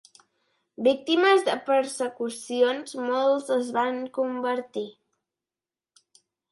Víctimes de persecucions molts es van convertir.